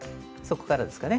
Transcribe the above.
ここからですね。